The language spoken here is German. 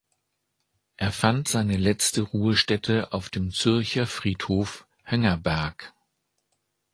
Er fand seine letzte Ruhestätte auf dem Zürcher Friedhof Hönggerberg.